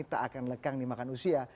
tak akan lekang di makan usia